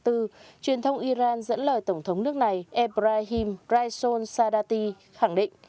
truyền thông iran dẫn lời tổng thống nước này ebrahim prayson sadati khẳng định